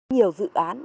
nhiều dự án hỗ trợ